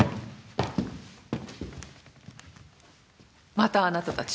またあなたたち。